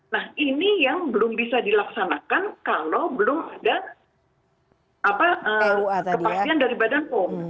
nah ini yang belum bisa dilaksanakan kalau belum ada kepastian dari badan pom